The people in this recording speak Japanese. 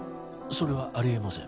それはあり得ません